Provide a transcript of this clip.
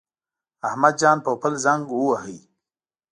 احمد جان پوپل زنګ وواهه.